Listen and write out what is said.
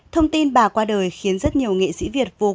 thông tin bà qua đời khiến rất nhiều nghị sĩ việt vô cùng băng hoàng